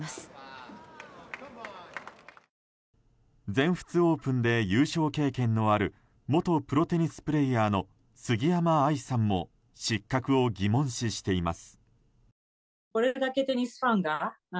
全仏オープンで優勝経験のある元プロテニスプレーヤーの杉山愛さんも失格を疑問視しています。